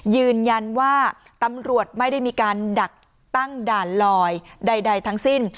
ยืนยันว่าตำรวจไม่ได้มีการดักตั้งด่านลอยใดทั้งสิ้น